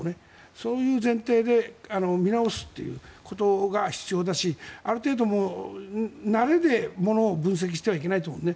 そういう前提で見直すということが必要だしある程度、慣れで物を分析してはいけないと思います。